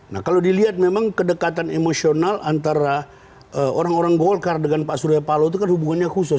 nah kalau dilihat memang kedekatan emosional antara orang orang golkar dengan pak surya paloh itu kan hubungannya khusus